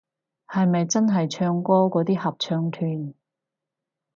係咪真係唱歌嗰啲合唱團